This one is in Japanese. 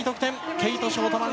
ケイト・ショートマン